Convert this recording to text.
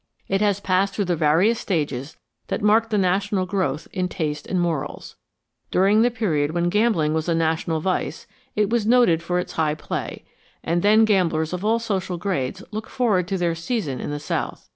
It has passed through the various stages that marked the national growth in taste and morals. During the period when gambling was a national vice it was noted for its high play, and then gamblers of all social grades looked forward to their season in the South.